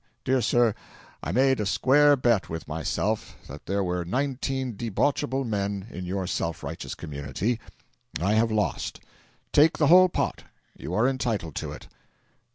Dear sir, I made a square bet with myself that there were nineteen debauchable men in your self righteous community. I have lost. Take the whole pot, you are entitled to it."